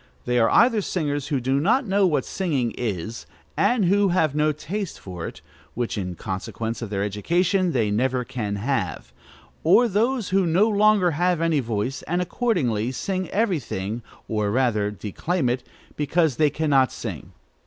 They are either singers who do not know what singing is, and who have no taste for it, which, in consequence of their education, they never can have; or those who no longer have any voice, and accordingly sing every thing, or, rather, declaim it, because they cannot sing.